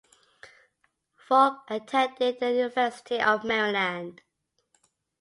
Falk attended the University of Maryland.